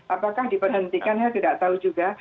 apakah diperhentikan ya tidak tahu juga